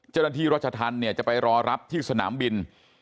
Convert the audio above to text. เจ้าหน้าที่รัชทันเนี่ยจะไปรอรับที่สนามบิน